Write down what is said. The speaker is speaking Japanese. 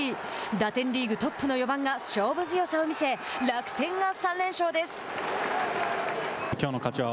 打点リーグトップの４番が勝負強さを見せ楽天が３連勝です。